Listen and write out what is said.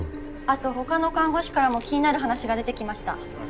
あと他の看護師からも気になる話が出てきました。